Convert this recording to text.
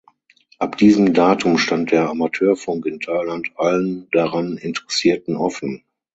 Ab diesem Datum stand der Amateurfunk in Thailand allen daran Interessierten offen.